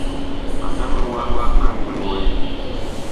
A naŋɛ wa a ŋmim wɛɛ.